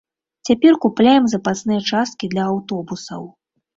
Цяпер купляем запасныя часткі для аўтобусаў.